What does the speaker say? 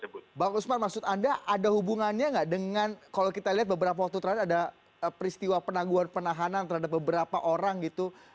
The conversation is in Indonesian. bang usman maksud anda ada hubungannya nggak dengan kalau kita lihat beberapa waktu terakhir ada peristiwa penangguhan penahanan terhadap beberapa orang gitu